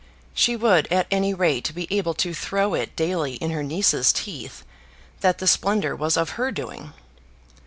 She would at any rate be able to throw it daily in her niece's teeth that the splendour was of her doing.